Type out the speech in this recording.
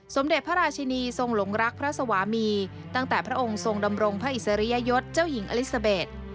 สมเด็จพระราชินีทรงหลงรักพระสวามีตั้งแต่พระองค์ทรงดำรงพระอิสริยยศเจ้าหญิงอลิซาเบส